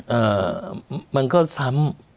เอ่อมันก็ซ้ำ